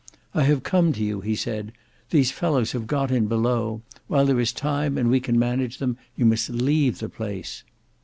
"I have come to you," he said; "these fellows have got in below. While there is time and we can manage them, you must leave the place."